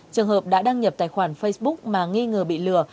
trường hợp đã đăng nhập tài khoản facebook mà nghi ngờ bị lừa